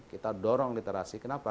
kita dorong literasi kenapa